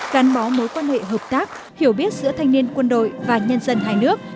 gắn bó mối quan hệ hợp tác hiểu biết giữa thanh niên quân đội và nhân dân hai nước